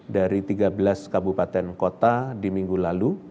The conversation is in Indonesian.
dari tiga belas kabupaten kota di minggu lalu